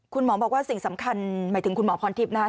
คุณหมอบอกว่าสิ่งสำคัญหมายถึงคุณหมอพรทิพย์นะครับ